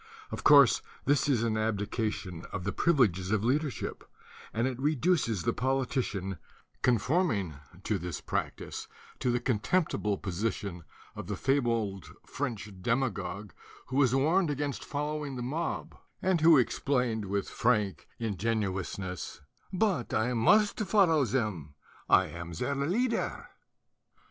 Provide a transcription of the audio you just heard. Of course, this is an abdication of the privilege of leadership; and it reduces the politician conform ing to this practise to the contemptible position of the fabled French demagog who was warned 26 THE DUTY OF THE INTELLECTUALS against following the mob and who explained with frank ingenuousness "But I must follow them, I am their leader!"